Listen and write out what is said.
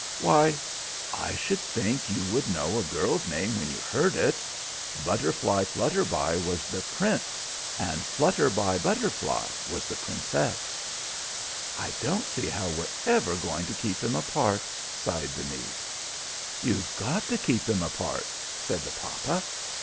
"Why, I should think you would know a girl's name when you heard it. Butterflyflutterby was the Prince and Flutterbybutterfly was the Princess." "I don't see how we're ever going to keep them apart," sighed the niece. "You've got to keep them apart," said the papa.